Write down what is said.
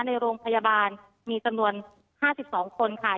ในโรงพยาบาลมีจำนวน๕๒คนค่ะ